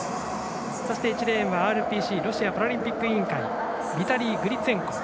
そしてＲＰＣ＝ロシアパラリンピック委員会ビタリー・グリツェンコ。